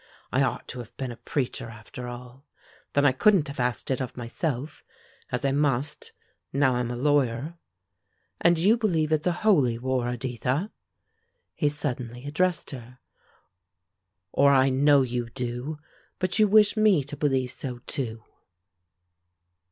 I ought to have been a preacher, after all; then I couldn't have asked it of myself, as I must, now I'm a lawyer. And you believe it's a holy war, Editha?" he suddenly addressed her. "Or, I know you do! But you wish me to believe so, too?"